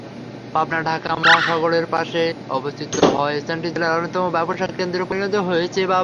পাবনা-ঢাকা মহাসড়কের পাশে অবস্থিত হওয়ায় স্থানটি জেলার অন্যতম ব্যবসাকেন্দ্রে পরিণত হয়েছে।